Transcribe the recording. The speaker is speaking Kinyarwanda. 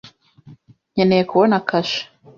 Nkeneye kubona kashe.